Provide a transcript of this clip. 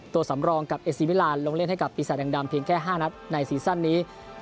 ตัวสำรองกับเอซีมิลานลงเล่นให้กับปีศาจแดงดำเพียงแค่๕นัดในซีซั่นนี้